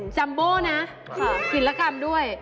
จัมโบนะหินละกัมด้วย